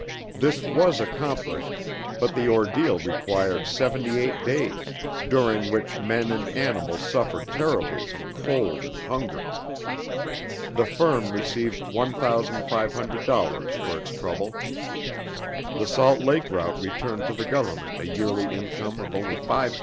This was accomplished, but the ordeal required seventy eight days, during which men and animals suffered terribly from cold and hunger. The firm received $1,500.00 for its trouble. The Salt Lake route returned to the Government a yearly income of only $5,000.00.